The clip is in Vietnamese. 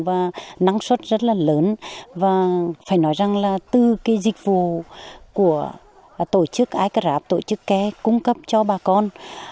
và năng suất rất là lớn và phải nói rằng là từ cái dịch vụ của tổ chức icrap tổ chức ke cung cấp cho bà con